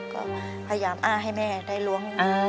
ก็พยายามอ้าให้แม่ได้ล้วง